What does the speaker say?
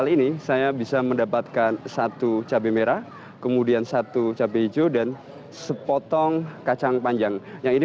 kali ini saya bisa mendapatkan satu cabai merah kemudian satu cabai hijau dan sepotong kacang panjang yang ini